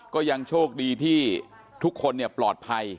ก็ยังโชคดีที่ทุกคนปลอดภัย